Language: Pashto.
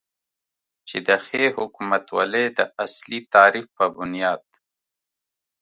چې د ښې حکومتولې داصلي تعریف په بنیاد